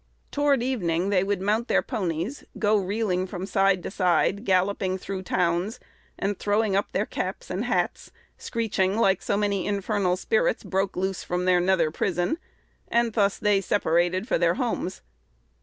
"Toward evening they would mount their ponies, go reeling from side to side, galloping through town, and throwing up their caps and hats, screeching like so many infernal spirits broke loose from their nether prison; and thus they separated for their homes."